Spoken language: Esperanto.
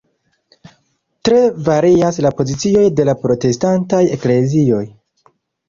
Tre varias la pozicioj de la protestantaj Eklezioj.